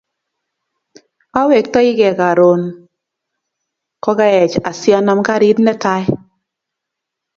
Awektoikei karon kokaech asianam karit netai